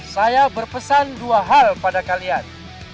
saya berpesan dua hal pada kalian